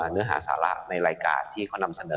เนื้อหาสาระในรายการที่เขานำเสนอ